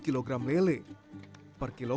sehingga bisa mendapat lima puluh kg lele